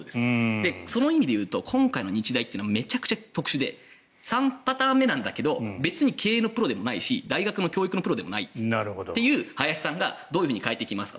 その意味でいうと今回の日大はめちゃくちゃ特殊で３パターン目なんだけど別に経営のプロでもないし大学の教育のプロでもない林さんがどう変えていくか。